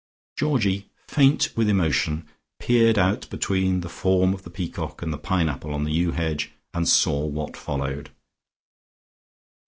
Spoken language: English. Georgie, faint with emotion, peered out between the form of the peacock and the pine apple on the yew hedge, and saw what followed.